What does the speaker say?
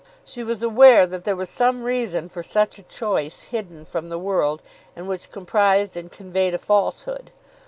She was aware that there was some reason for such a choice hidden from the world, and which comprised and conveyed a falsehood.